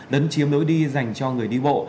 đấn chiếm lối đi dành cho người đi bộ